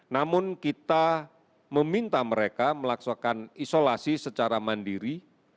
namun kita meminta mereka melaksanakan isolasi secara mandiri